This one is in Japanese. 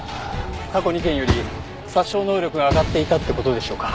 過去２件より殺傷能力が上がっていたって事でしょうか？